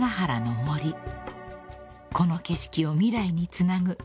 ［この景色を未来につなぐ］